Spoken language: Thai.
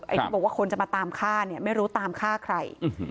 ที่บอกว่าคนจะมาตามฆ่าเนี่ยไม่รู้ตามฆ่าใคร